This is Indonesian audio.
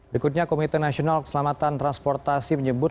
berikutnya komite nasional keselamatan transportasi menyebut